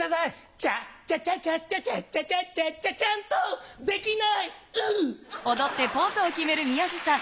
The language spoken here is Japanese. ちゃちゃちゃちゃ、ちゃちゃちゃちゃ、ちゃんとできない、う！